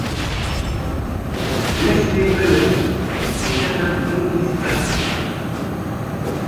Leslie Murray est atteint d'autisme-asperger.